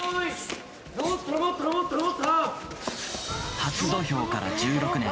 初土俵から１６年。